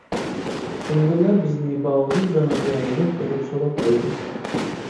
تۇڭگانلار بىزنى باۋۇدۇن دېڭىگە ھەيدەپ بېرىپ سولاپ قويدى.